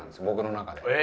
僕の中で。